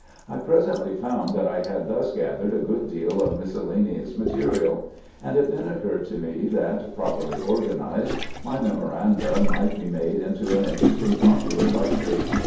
I presently found that I had thus gathered a good deal of miscellaneous material; and it then occurred to me that, properly organized, my memoranda might be made into an interesting popular lecture.